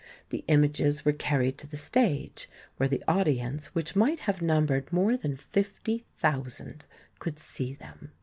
The images were carried to the stage where the audience, which might have numbered more than fifty thousand, could see them.